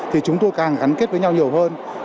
thì chúng tôi càng gắn kết với nhau nhiều hơn